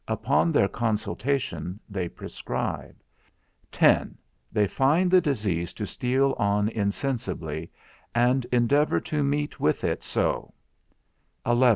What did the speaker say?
Upon their consultation, they prescribe 56 10. They find the disease to steal on insensibly, and endeavor to meet with it so 63 11.